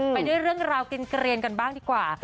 ไปด้วยเรื่องราวกินเกลียนกันบ้างดีกว่า